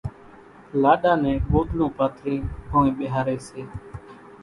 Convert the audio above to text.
لاڏا نين ڳوۮڙون پاٿرينَ ڀونئين ٻيۿاريَ سي۔